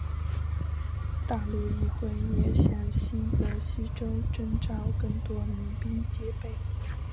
大陆议会也向新泽西州征召更多民兵戒备。